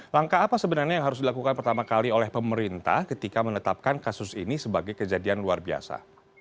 langkah apa sebenarnya yang harus dilakukan pertama kali oleh pemerintah ketika menetapkan kasus ini sebagai kejadian luar biasa